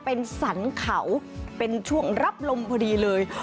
เป็นสรรเขาเป็นช่วงรับลมพอดีเลย